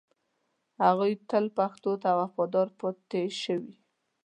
هغوی تل پښتو ته وفادار پاتې شوي